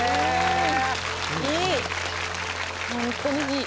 いい！